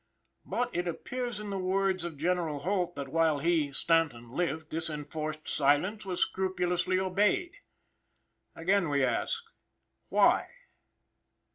But, it appears, in the words of General Holt, that "while he (Stanton) lived, this enforced silence was scrupulously obeyed." Again we ask why?